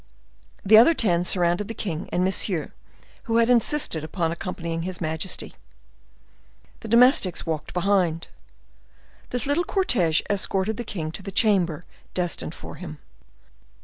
The other ten surrounded the king and Monsieur, who had insisted upon accompanying his majesty. The domestics walked behind. This little cortege escorted the king to the chamber destined for him.